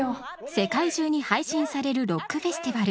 世界中に配信されるロックフェスティバル。